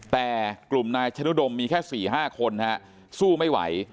แต่กลุ่มนายชะนุดมมีแค่๔๕คนสู้ไม่ไหว